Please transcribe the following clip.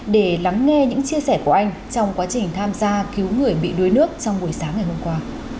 để lắng nghe những chia sẻ của anh trong quá trình tham gia cứu người bị đuối nước trong buổi sáng ngày hôm qua